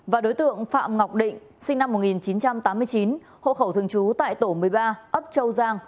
và đối tượng phạm ngọc định sinh năm một nghìn chín trăm tám mươi chín hộ khẩu thường trú tại tổ một mươi ba ấp châu giang